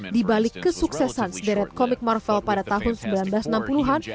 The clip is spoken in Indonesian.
di balik kesuksesan sederet komik marvel pada tahun seribu sembilan ratus enam puluh an